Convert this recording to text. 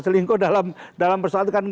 selingkuh dalam persoalan itu kan